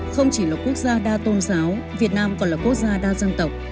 không chỉ là quốc gia đa tôn giáo việt nam còn là quốc gia đa dân tộc